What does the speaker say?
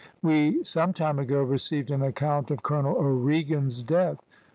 We some time ago received an account of Colonel O'Regan's death.